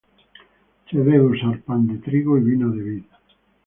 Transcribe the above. Se debe usar pan de trigo y vino de vid.